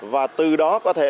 và từ đó có thể